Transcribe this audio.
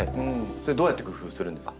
それどうやって工夫するんですか？